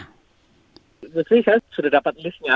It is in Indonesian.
maksudnya saya sudah dapat list nya